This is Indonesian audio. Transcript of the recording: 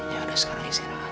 ya udah sekarang isi rakan